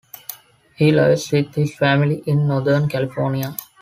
He lives with his family in northern California.